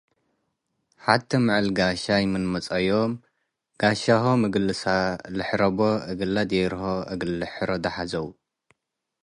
ሐቴ' ምዕል ጋሻይ ምን መጽአዮም ጋሻ'ሆም እግል ለሐርቦ እግል ለዲርሆ እግል ልሕረዶ ሐዘው።